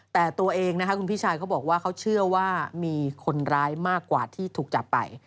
แต่ตัวเองนะคะคุณพี่ชายเขาบอกว่าเขาเชื่อว่ามีคนร้ายมากกว่าที่ถูกจับไป